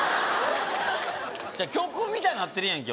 曲みたいなってるやんけ